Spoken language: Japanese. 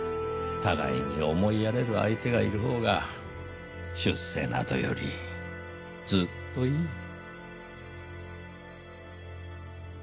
互いに思いやれる相手がいるほうが出世などよりずっといい。